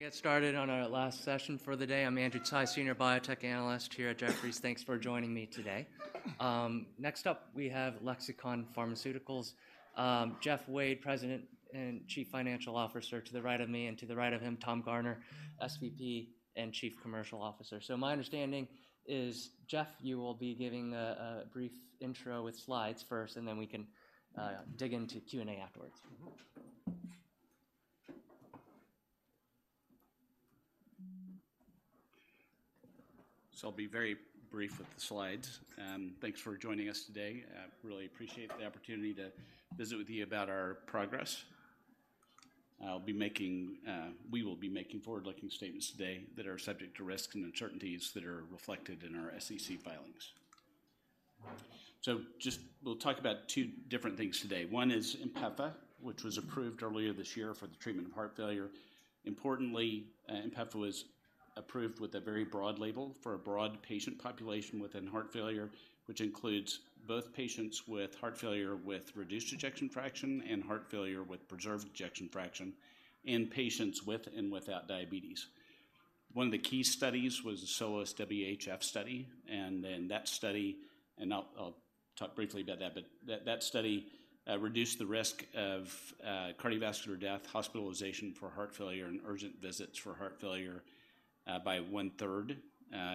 Get started on our last session for the day. I'm Andrew Tsai, Senior Biotech Analyst here at Jefferies. Thanks for joining me today. Next up, we have Lexicon Pharmaceuticals. Jeff Wade, President and Chief Financial Officer, to the right of me, and to the right of him, Tom Garner, SVP and Chief Commercial Officer. So my understanding is, Jeff, you will be giving a brief intro with slides first, and then we can dig into Q&A afterwards. I'll be very brief with the slides. Thanks for joining us today. I really appreciate the opportunity to visit with you about our progress. I'll be making, we will be making forward-looking statements today that are subject to risks and uncertainties that are reflected in our SEC filings. We'll talk about two different things today. One is INPEFA, which was approved earlier this year for the treatment of heart failure. Importantly, INPEFA was approved with a very broad label for a broad patient population within heart failure, which includes both patients with heart failure with reduced ejection fraction and heart failure with preserved ejection fraction, and patients with and without diabetes. One of the key studies was the SOLOIST-WHF study, and in that study, I'll talk briefly about that, but that study reduced the risk of cardiovascular death, hospitalization for heart failure, and urgent visits for heart failure by one-third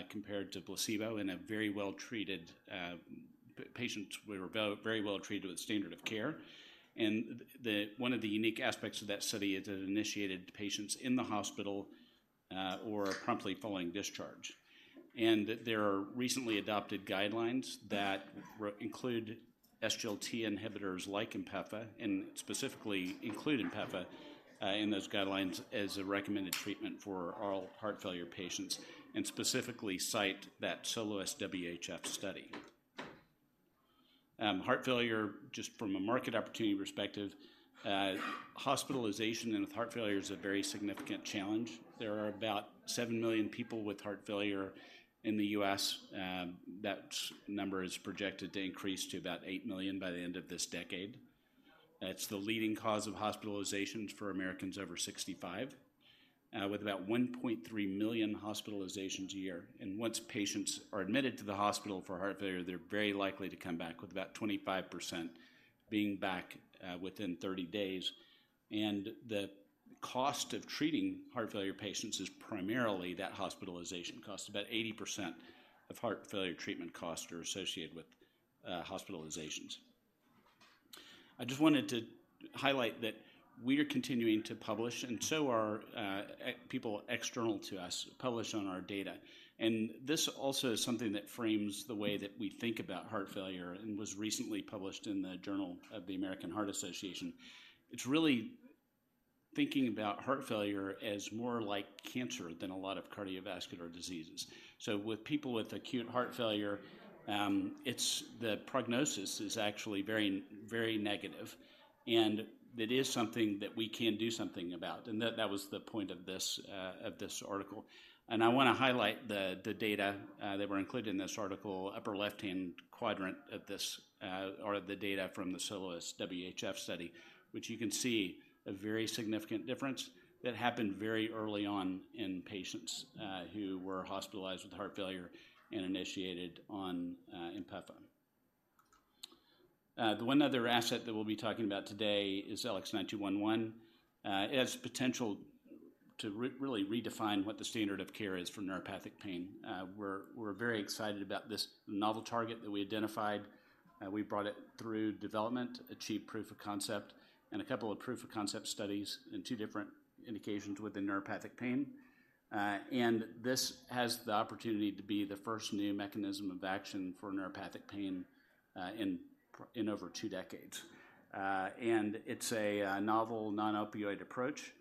compared to placebo in very well-treated patients who were very well-treated with standard of care. One of the unique aspects of that study is it initiated patients in the hospital or promptly following discharge. There are recently adopted guidelines that include SGLT inhibitors like INPEFA, and specifically include INPEFA in those guidelines as a recommended treatment for all heart failure patients, and specifically cite that SOLOIST-WHF study. Heart failure, just from a market opportunity perspective, hospitalization with heart failure is a very significant challenge. There are about seven million people with heart failure in the U.S., that number is projected to increase to about eight million by the end of this decade. It's the leading cause of hospitalizations for Americans over 65, with about 1.3 million hospitalizations a year. And once patients are admitted to the hospital for heart failure, they're very likely to come back, with about 25% being back, within 30 days. And the cost of treating heart failure patients is primarily that hospitalization cost. About 80% of heart failure treatment costs are associated with, hospitalizations. I just wanted to highlight that we are continuing to publish, and so are, people external to us, publish on our data. This also is something that frames the way that we think about heart failure and was recently published in the Journal of the American Heart Association. It's really thinking about heart failure as more like cancer than a lot of cardiovascular diseases. With people with acute heart failure, the prognosis is actually very, very negative, and it is something that we can do something about. And that was the point of this article. And I wanna highlight the data that were included in this article, upper left-hand quadrant of this are the data from the SOLOIST-WHF study, which you can see a very significant difference that happened very early on in patients who were hospitalized with heart failure and initiated on INPEFA. The one other asset that we'll be talking about today is LX9211. It has potential to really redefine what the standard of care is for neuropathic pain. We're very excited about this novel target that we identified. We brought it through development, achieved proof of concept and a couple of proof-of-concept studies in two different indications within neuropathic pain. And this has the opportunity to be the first new mechanism of action for neuropathic pain in over two decades. And it's a novel, non-opioid approach.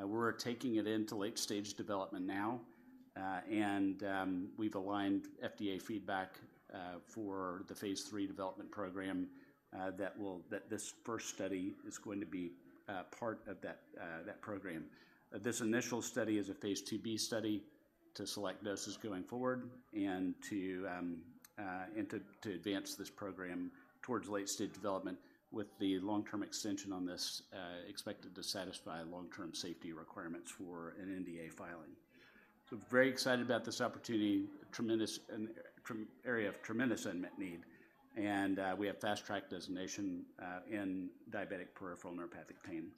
We're taking it into late-stage development now, and we've aligned FDA feedback for the phase III development program that this first study is going to be part of that program. This initial study is a phase 2B study to select doses going forward and to, and to, to advance this program towards late-stage development, with the long-term extension on this, expected to satisfy long-term safety requirements for an NDA filing. So very excited about this opportunity, tremendous area of tremendous unmet need, and, we have Fast Track designation, in diabetic peripheral neuropathic pain.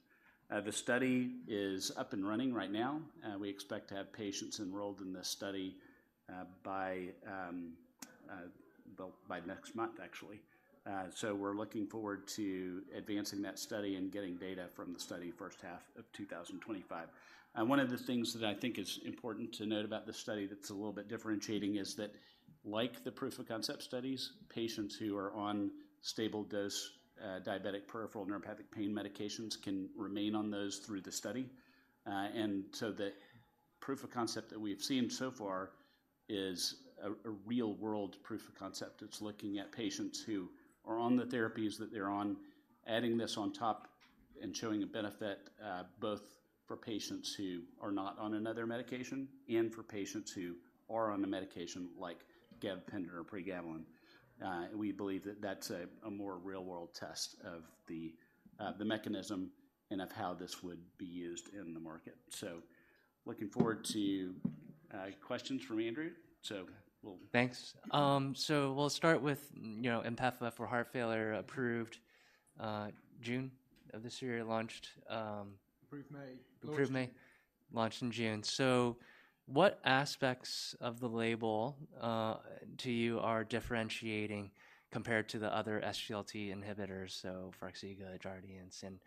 The study is up and running right now. We expect to have patients enrolled in this study, by, by next month, actually. So we're looking forward to advancing that study and getting data from the study first half of 2025. One of the things that I think is important to note about this study that's a little bit differentiating is that like the proof of concept studies, patients who are on stable dose diabetic peripheral neuropathic pain medications can remain on those through the study. And so the proof of concept that we've seen so far is a real-world proof of concept. It's looking at patients who are on the therapies that they're on, adding this on top- And showing a benefit both for patients who are not on another medication and for patients who are on a medication like gabapentin or pregabalin. We believe that that's a more real-world test of the mechanism and of how this would be used in the market. So looking forward to questions from Andrew. So we'll- Thanks. So we'll start with, you know, empagliflozin for heart failure, approved June of this year. Launched, Approved May. Approved May, launched in June. So what aspects of the label to you are differentiating compared to the other SGLT inhibitors, so Farxiga, Jardiance, and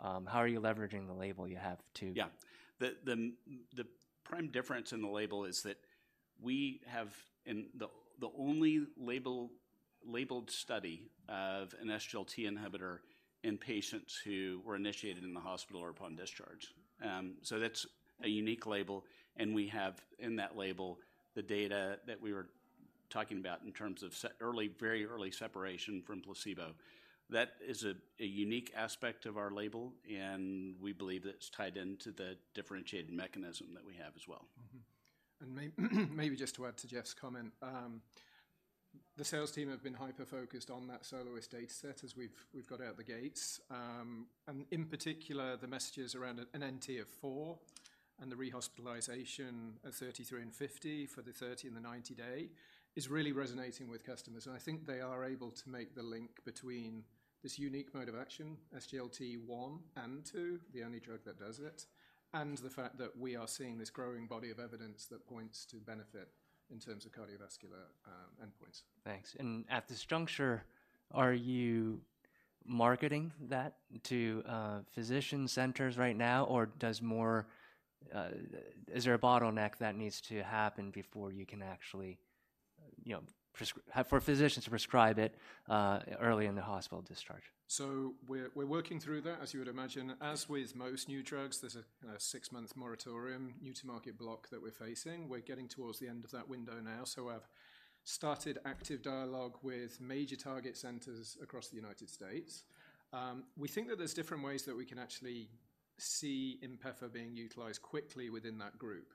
how are you leveraging the label you have to? Yeah. The prime difference in the label is that we have—and the only labeled study of an SGLT inhibitor in patients who were initiated in the hospital or upon discharge. So that's a unique label, and we have, in that label, the data that we were talking about in terms of early, very early separation from placebo. That is a unique aspect of our label, and we believe that it's tied into the differentiated mechanism that we have as well. Mm-hmm. Maybe just to add to Jeff's comment, the sales team have been hyper-focused on that SOLOIST dataset as we've got out the gates. And in particular, the messages around an NNT of one and the rehospitalization of 33 and 50 for the 30- and 90-day, is really resonating with customers. And I think they are able to make the link between this unique mode of action, SGLT1 and 2, the only drug that does it, and the fact that we are seeing this growing body of evidence that points to benefit in terms of cardiovascular endpoints. Thanks. At this juncture, are you marketing that to physician centers right now, or does more... Is there a bottleneck that needs to happen before you can actually, you know, have for physicians to prescribe it early in the hospital discharge? So we're working through that, as you would imagine. As with most new drugs, there's a six-month moratorium, new to market block that we're facing. We're getting towards the end of that window now, so I've started active dialogue with major target centers across the United States. We think that there's different ways that we can actually see INPEFA being utilized quickly within that group.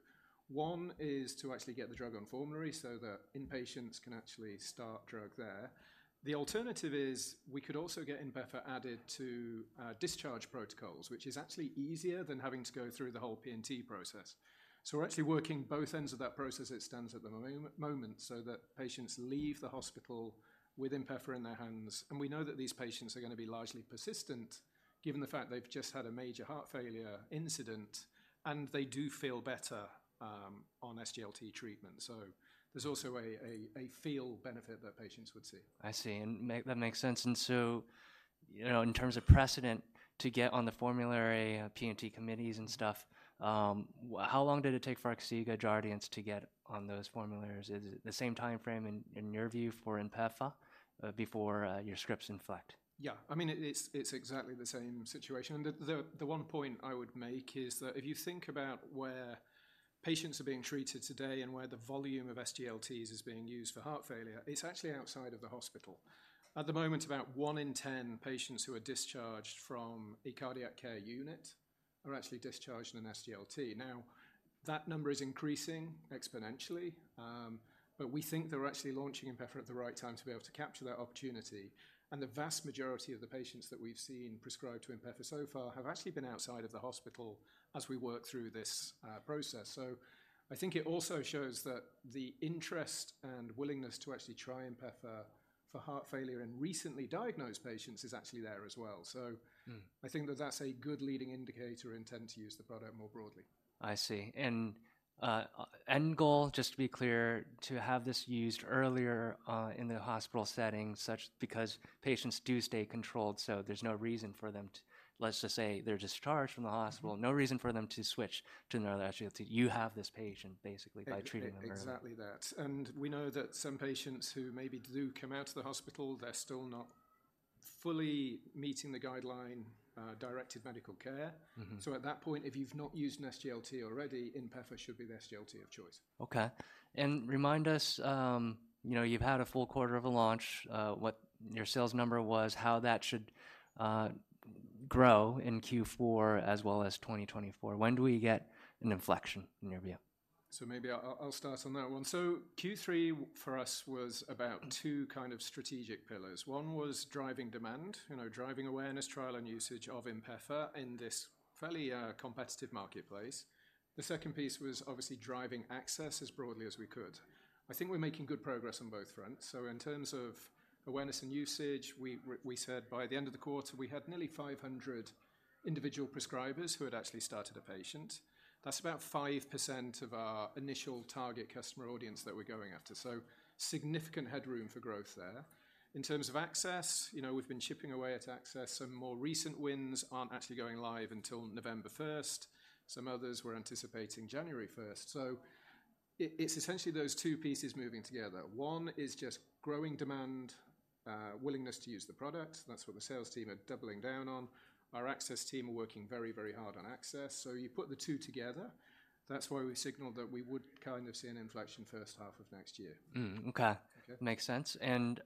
One is to actually get the drug on formulary so that inpatients can actually start drug there. The alternative is we could also get INPEFA added to discharge protocols, which is actually easier than having to go through the whole P&T process. So we're actually working both ends of that process, as it stands at the moment, so that patients leave the hospital with INPEFA in their hands. We know that these patients are gonna be largely persistent, given the fact they've just had a major heart failure incident, and they do feel better on SGLT treatment. So there's also a feel benefit that patients would see. I see, and that makes sense. And so, you know, in terms of precedent to get on the formulary, P&T committees and stuff, how long did it take Farxiga, Jardiance to get on those formularies? Is it the same timeframe in your view, for INPEFA, before your scripts inflect? Yeah. I mean, it's exactly the same situation. And the one point I would make is that if you think about where patients are being treated today and where the volume of SGLTs is being used for heart failure, it's actually outside of the hospital. At the moment, about one in ten patients who are discharged from a cardiac care unit are actually discharged in an SGLT. Now, that number is increasing exponentially, but we think that we're actually launching INPEFA at the right time to be able to capture that opportunity. And the vast majority of the patients that we've seen prescribed to INPEFA so far have actually been outside of the hospital as we work through this process. So I think it also shows that the interest and willingness to actually try INPEFA for heart failure in recently diagnosed patients is actually there as well. So- Mm. I think that that's a good leading indicator intent to use the product more broadly. I see. And, end goal, just to be clear, to have this used earlier, in the hospital setting, because patients do stay controlled, so there's no reason for them to—let's just say they're discharged from the hospital, no reason for them to switch to another SGLT. You have this patient basically by treating them early. Exactly that. And we know that some patients who maybe do come out to the hospital, they're still not fully meeting the guideline-directed medical care. Mm-hmm. At that point, if you've not used an SGLT already, INPEFA should be the SGLT of choice. Okay. Remind us, you know, you've had a full quarter of a launch, what your sales number was, how that should grow in Q4 as well as 2024. When do we get an inflection in your view? So maybe I'll start on that one. So Q3 for us was about two kind of strategic pillars. One was driving demand, you know, driving awareness, trial, and usage of INPEFA in this fairly competitive marketplace. The second piece was obviously driving access as broadly as we could. I think we're making good progress on both fronts. So in terms of awareness and usage, we said by the end of the quarter, we had nearly 500 individual prescribers who had actually started a patient. That's about 5% of our initial target customer audience that we're going after, so significant headroom for growth there. In terms of access, you know, we've been chipping away at access. Some more recent wins aren't actually going live until November 1st. Some others, we're anticipating January 1st. It's essentially those two pieces moving together. One is just growing demand, willingness to use the product. That's what the sales team are doubling down on. Our access team are working very, very hard on access. So you put the two together, that's why we've signaled that we would kind of see an inflection first half of next year. Mm. Okay. Okay. Makes sense. And,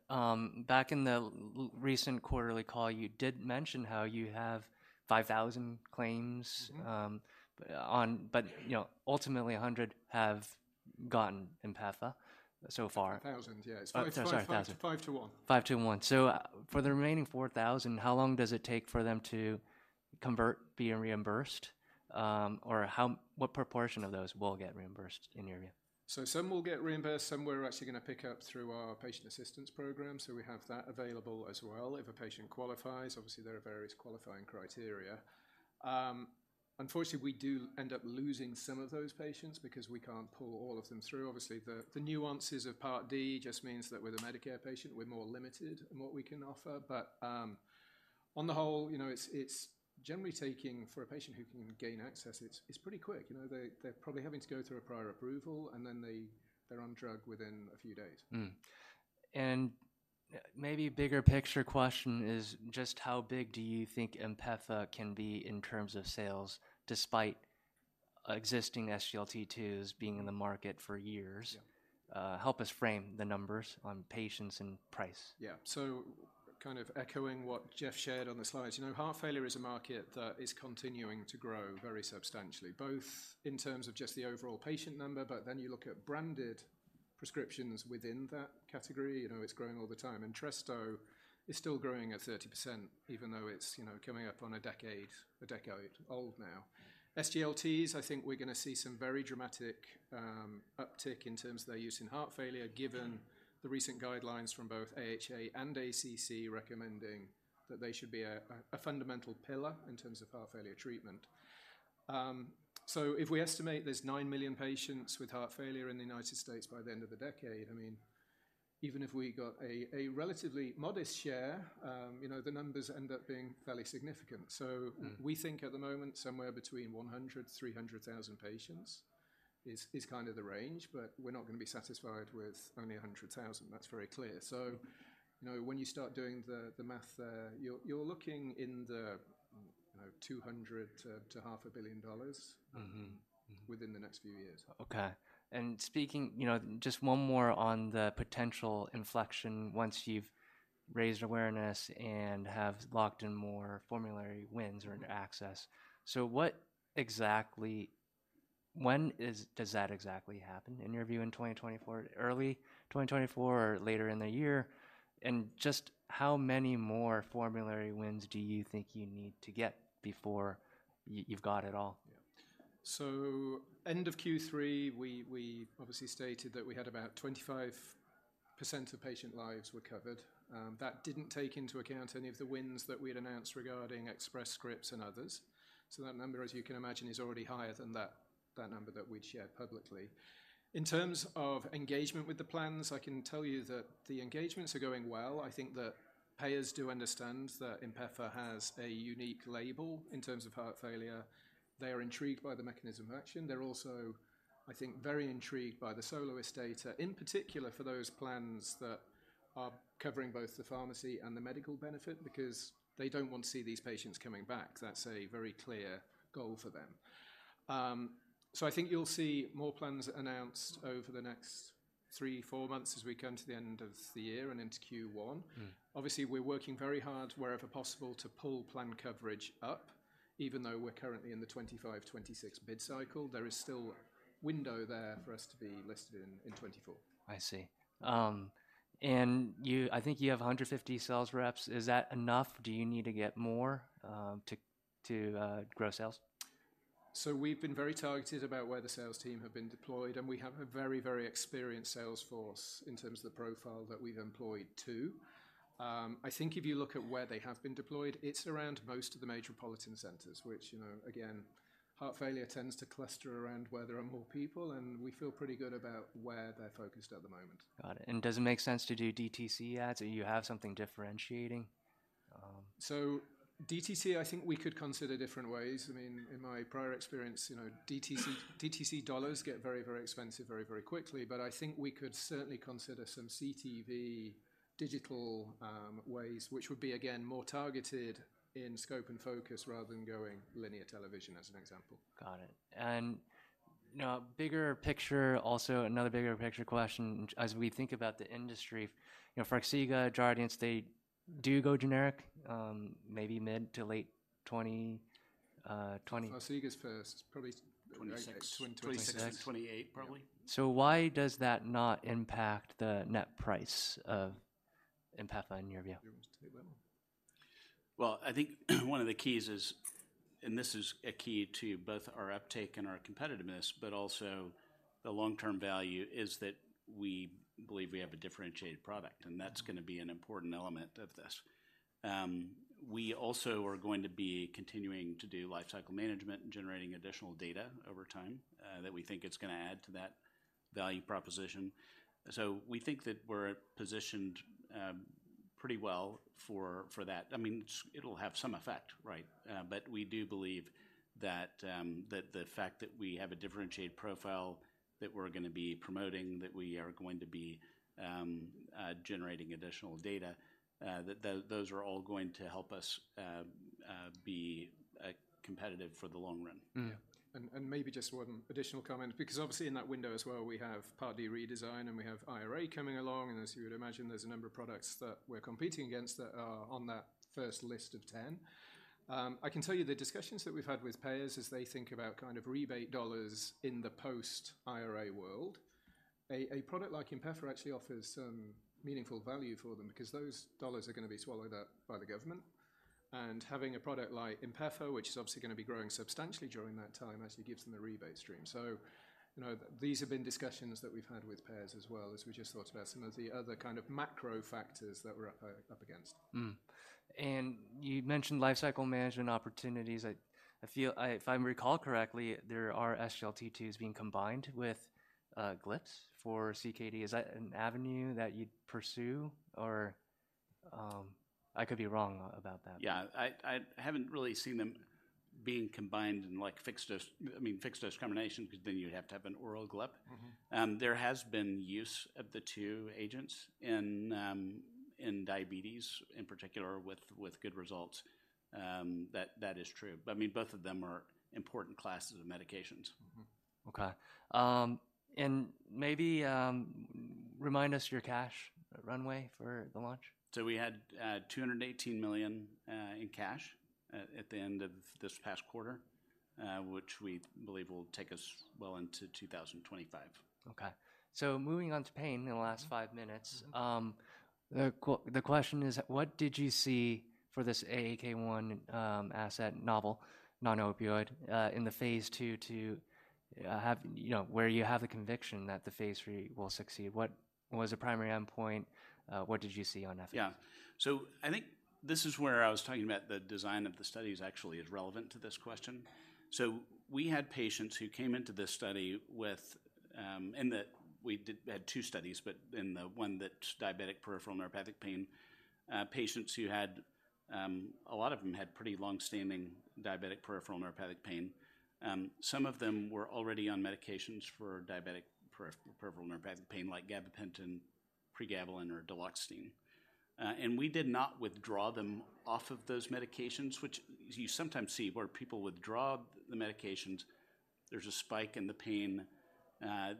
back in the recent quarterly call, you did mention how you have 5,000 claims- Mm-hmm. But, you know, ultimately, 100 have gotten INPEFA so far. 1,000, yeah. Oh, sorry, thousand. five to one. five to one. So, for the remaining 4,000, how long does it take for them to convert, be reimbursed? Or what proportion of those will get reimbursed in your view? So some will get reimbursed, some we're actually gonna pick up through our patient assistance program. So we have that available as well if a patient qualifies. Obviously, there are various qualifying criteria. Unfortunately, we do end up losing some of those patients because we can't pull all of them through. Obviously, the nuances of Part D just means that with a Medicare patient, we're more limited in what we can offer. But on the whole, you know, it's generally taking, for a patient who can gain access, it's pretty quick. You know, they're probably having to go through a prior approval, and then they're on drug within a few days. Maybe bigger picture question is, just how big do you think INPEFA can be in terms of sales, despite existing SGLT2s being in the market for years? Yeah. Help us frame the numbers on patients and price. Yeah. So kind of echoing what Jeff shared on the slides, you know, heart failure is a market that is continuing to grow very substantially, both in terms of just the overall patient number, but then you look at branded prescriptions within that category, you know, it's growing all the time. Entresto is still growing at 30%, even though it's, you know, coming up on a decade, a decade old now. SGLTs, I think we're gonna see some very dramatic uptick in terms of their use in heart failure, given the recent guidelines from both AHA and ACC, recommending that they should be a fundamental pillar in terms of heart failure treatment. So if we estimate there's nine million patients with heart failure in the United States by the end of the decade, I mean, even if we got a relatively modest share, you know, the numbers end up being fairly significant. So- Mm. We think at the moment, somewhere between 100,000-300,000 patients is kind of the range, but we're not gonna be satisfied with only 100,000. That's very clear. So, you know, when you start doing the math there, you're looking in the $200 million-$500 million- Mm-hmm... within the next few years. Okay. And speaking, you know, just one more on the potential inflection once you've raised awareness and have locked in more formulary wins or access. So what exactly—when is, does that exactly happen? In your view, in 2024, early 2024 or later in the year? And just how many more formulary wins do you think you need to get before you've got it all? Yeah. So end of Q3, we obviously stated that we had about 25% of patient lives were covered. That didn't take into account any of the wins that we had announced regarding Express Scripts and others. So that number, as you can imagine, is already higher than that number that we'd shared publicly. In terms of engagement with the plans, I can tell you that the engagements are going well. I think that payers do understand that INPEFA has a unique label in terms of heart failure. They are intrigued by the mechanism of action. They're also, I think, very intrigued by the SOLOIST data, in particular, for those plans that are covering both the pharmacy and the medical benefit, because they don't want to see these patients coming back. That's a very clear goal for them. So I think you'll see more plans announced over the next three-four months as we come to the end of the year and into Q1. Mm. Obviously, we're working very hard wherever possible, to pull plan coverage up, even though we're currently in the 2025, 2026 bid cycle. There is still window there for us to be listed in 2024. I see. And you—I think you have 150 sales reps. Is that enough? Do you need to get more to grow sales? So we've been very targeted about where the sales team have been deployed, and we have a very, very experienced sales force in terms of the profile that we've employed to. I think if you look at where they have been deployed, it's around most of the metropolitan centers, which, you know, again, heart failure tends to cluster around where there are more people, and we feel pretty good about where they're focused at the moment. Got it. And does it make sense to do DTC ads, or you have something differentiating? So DTC, I think we could consider different ways. I mean, in my prior experience, you know, DTC- DTC dollars get very, very expensive, very, very quickly. But I think we could certainly consider some CTV digital ways, which would be, again, more targeted in scope and focus rather than going linear television, as an example. Got it. And now, bigger picture. Also, another bigger picture question, as we think about the industry, you know, Farxiga, Jardiance, they do go generic, maybe mid- to late-2020s. Farxiga's first. It's probably- 2026. 2026. 2026-2028, probably. Yeah. So why does that not impact the net price of INPEFA, in your view? You want to take that one? Well, I think one of the keys is, and this is a key to both our uptake and our competitiveness, but also the long-term value, is that we believe we have a differentiated product, and that's gonna be an important element of this. We also are going to be continuing to do lifecycle management and generating additional data over time that we think it's gonna add to that value proposition. So we think that we're positioned pretty well for that. I mean, it's, it'll have some effect, right? But we do believe that that the fact that we have a differentiated profile, that we're gonna be promoting, that we are going to be generating additional data that those are all going to help us be competitive for the long run. Mm-hmm. Yeah. Maybe just one additional comment, because obviously in that window as well, we have Part D redesign, and we have IRA coming along, and as you would imagine, there's a number of products that we're competing against that are on that first list of 10. I can tell you the discussions that we've had with payers as they think about kind of rebate dollars in the post-IRA world, a product like INPEFA actually offers some meaningful value for them because those dollars are gonna be swallowed up by the government. And having a product like INPEFA, which is obviously gonna be growing substantially during that time, actually gives them a rebate stream. So, you know, these have been discussions that we've had with payers as well, as we just thought about some of the other kind of macro factors that we're up against. Mm-hmm. And you mentioned lifecycle management opportunities. I feel, if I recall correctly, there are SGLT2s being combined with GLPs for CKD. Is that an avenue that you'd pursue, or I could be wrong about that. Yeah, I haven't really seen them being combined in like fixed dose, I mean, fixed-dose combination, because then you'd have to have an oral GLP. Mm-hmm. There has been use of the two agents in diabetes, in particular, with good results. That is true. But, I mean, both of them are important classes of medications. Mm-hmm. Okay. And maybe, remind us your cash runway for the launch. We had $218 million in cash at the end of this past quarter, which we believe will take us well into 2025. Okay. Moving on to pain in the last five minutes. Mm-hmm. The question is: What did you see for this AAK1 asset, novel non-opioid, in the phase II to have... You know, where you have the conviction that the phase III will succeed? What was the primary endpoint? What did you see on that? Yeah. So I think this is where I was talking about the design of the studies actually is relevant to this question. So we had patients who came into this study with, and that we had two studies, but in the one that's diabetic peripheral neuropathic pain, patients who had, a lot of them had pretty long-standing diabetic peripheral neuropathic pain. Some of them were already on medications for diabetic peripheral neuropathic pain, like gabapentin, pregabalin, or duloxetine. And we did not withdraw them off of those medications, which you sometimes see where people withdraw the medications, there's a spike in the pain,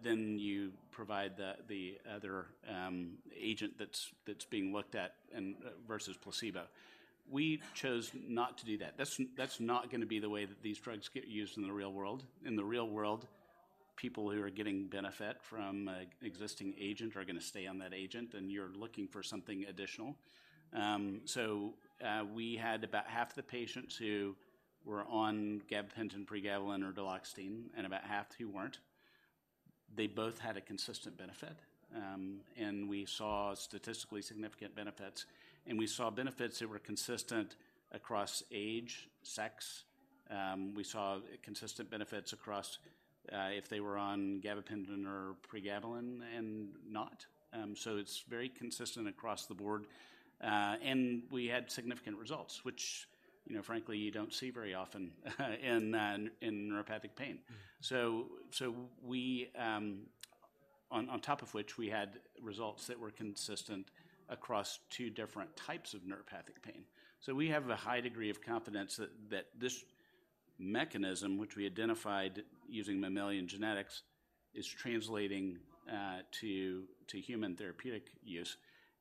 then you provide the other agent that's being looked at and versus placebo. We chose not to do that. That's not gonna be the way that these drugs get used in the real world. In the real world, people who are getting benefit from an existing agent are gonna stay on that agent, and you're looking for something additional. So, we had about half the patients who were on gabapentin, pregabalin, or duloxetine, and about half who weren't. They both had a consistent benefit, and we saw statistically significant benefits, and we saw benefits that were consistent across age, sex. We saw consistent benefits across if they were on gabapentin or pregabalin and not. So it's very consistent across the board, and we had significant results, which, you know, frankly, you don't see very often, in neuropathic pain. Mm-hmm. On top of which, we had results that were consistent across two different types of neuropathic pain. So we have a high degree of confidence that this mechanism, which we identified using mammalian genetics, is translating to human therapeutic use.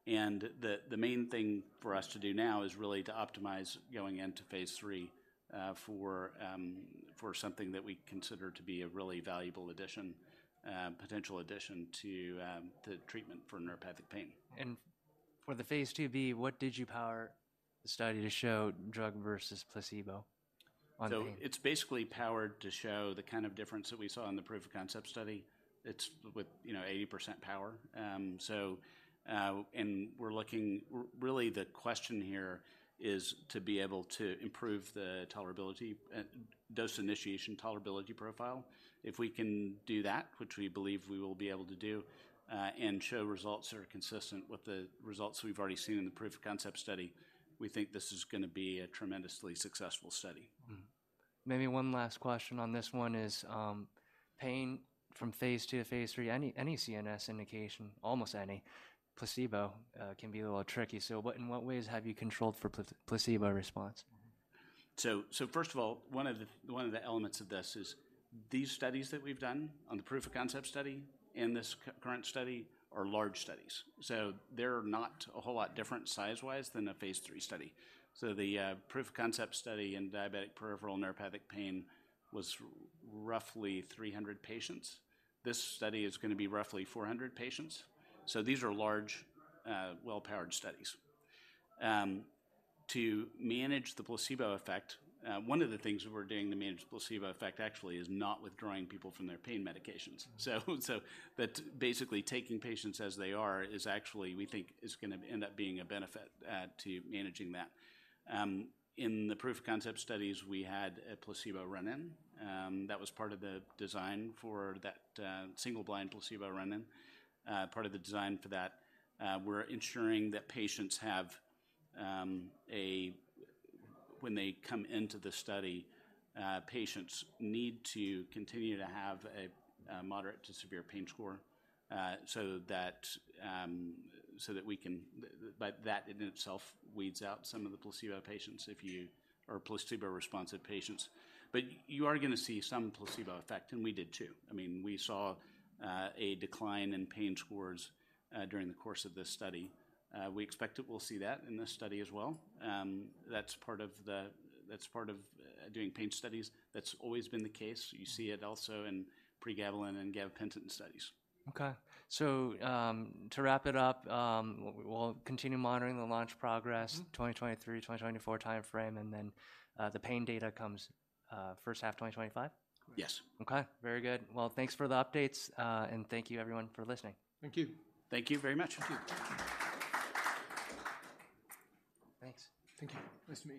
And the main thing for us to do now is really to optimize going into phase III for something that we consider to be a really valuable addition, potential addition to treatment for neuropathic pain. For the Phase II-B, what did you power the study to show drug versus placebo on pain? So it's basically powered to show the kind of difference that we saw in the proof of concept study. It's with, you know, 80% power. So, and we're looking. Really, the question here is to be able to improve the tolerability, dose initiation tolerability profile. If we can do that, which we believe we will be able to do, and show results that are consistent with the results we've already seen in the proof of concept study, we think this is gonna be a tremendously successful study. Mm-hmm. Maybe one last question on this one is, pain from phase II-phase III. Any CNS indication, almost any placebo can be a little tricky. So in what ways have you controlled for placebo response? So first of all, one of the elements of this is these studies that we've done on the proof of concept study and this current study are large studies, so they're not a whole lot different size-wise than a phase III study. So the proof of concept study in diabetic peripheral neuropathic pain was roughly 300 patients. This study is gonna be roughly 400 patients, so these are large, well-powered studies. To manage the placebo effect, one of the things we're doing to manage the placebo effect actually is not withdrawing people from their pain medications. So but basically, taking patients as they are is actually, we think, is gonna end up being a benefit to managing that. In the proof of concept studies, we had a placebo run-in that was part of the design for that single-blind placebo run-in. Part of the design for that, we're ensuring that patients have. When they come into the study, patients need to continue to have a moderate to severe pain score, so that we can-- but that in itself weeds out some of the placebo patients or placebo-responsive patients. But you are gonna see some placebo effect, and we did, too. I mean, we saw a decline in pain scores during the course of this study. We expect that we'll see that in this study as well. That's part of doing pain studies. That's always been the case. You see it also in pregabalin and gabapentin studies. Okay. So, to wrap it up, we'll continue monitoring the launch progress. Mm-hmm. 2023, 2024 timeframe, and then, the pain data comes, first half 2025? Yes. Okay, very good. Well, thanks for the updates, and thank you everyone for listening. Thank you. Thank you very much. Thank you. Thanks. Thank you. Nice to meet you.